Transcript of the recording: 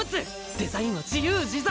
デザインは自由自在。